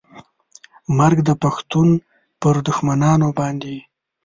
مرګ د پښتون پر دښمنانو باندې